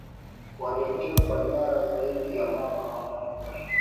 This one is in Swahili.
waliotekwa nyara zaidi ya mwaka mmoja